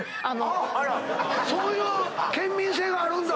そういう県民性があるんだ！